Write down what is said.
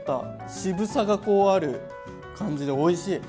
渋さがこうある感じでおいしい！